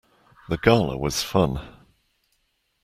The Gala was fun.